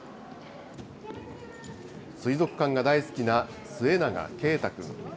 水族館が大好きな末永啓太くん。